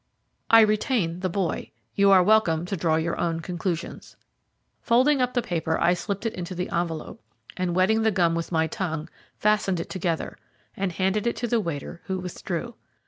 "I retain the boy. You are welcome to draw your own conclusions." Folding up the paper I slipped it into the envelope, and wetting the gum with my tongue, fastened it together, and handed it to the waiter who withdrew.